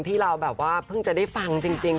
ที่เราแบบว่าเพิ่งจะได้ฟังจริง